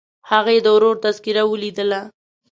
هغې د ورور تذکره ولیدله.